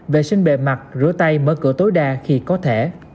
vệ sinh bề mặt rửa tay mở cửa tối đa khi có thể